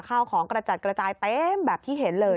ข้าวของกระจัดกระจายเต็มแบบที่เห็นเลย